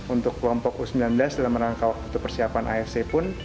untuk kelompok u sembilan belas dalam rangka waktu persiapan afc pun